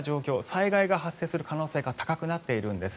災害が発生する可能性が高くなっているんです。